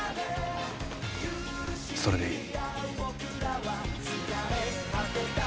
それでいい。